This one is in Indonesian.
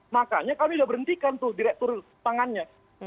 makanya kami sudah berhentikan tuh direktur tangannya